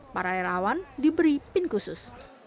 para relawan diberi pin khusus